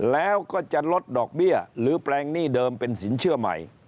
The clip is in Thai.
แล้วก็จะลดดอกเบี้ยหรือแปลงหนี้เดิมเป็นสินเชื่อใหม่